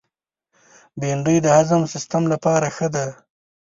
بېنډۍ د هضم سیستم لپاره ښه ده